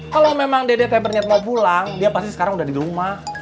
kalau memang dia tidak berniat mau pulang dia pasti sekarang udah di rumah